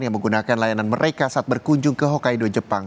yang menggunakan layanan mereka saat berkunjung ke hokkaido jepang